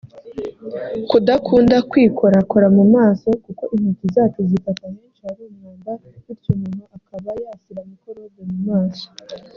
Kudakunda kwikorakora mu maso kuko intoki zacu zifata henshi hari umwanda bityo umuntu akaba yashyira mikorobe mu maso